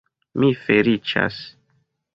Mi feliĉas.